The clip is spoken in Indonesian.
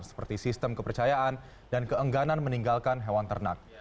seperti sistem kepercayaan dan keengganan meninggalkan hewan ternak